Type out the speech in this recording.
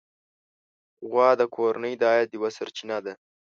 غوا د کورنۍ د عاید یوه سرچینه ده.